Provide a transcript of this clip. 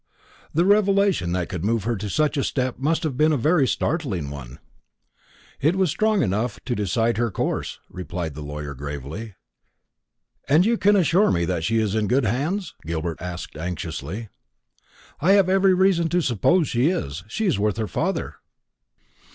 "The revelation that could move her to such a step must have been a very startling one." "It was strong enough to decide her course," replied the lawyer gravely. "And you can assure me that she is in good hands?" Gilbert asked anxiously. "I have every reason to suppose so. She is with her father."